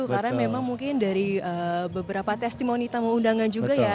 karena memang mungkin dari beberapa testimoni tamu undangan juga ya